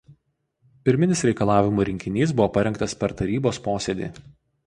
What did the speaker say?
Pirminis reikalavimų rinkinys buvo parengtas per tarybos posėdį.